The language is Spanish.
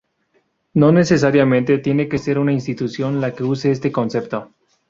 No necesariamente tiene que ser una institución la que use este concepto.